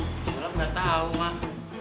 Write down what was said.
sulam udah tau mak